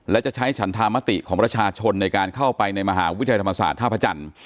และจะใช้ฉันธรรมติของประชาชนในการเข้าไปในมหาวิทยาลัยธรรมศาสตร์ท่าพระจันทร์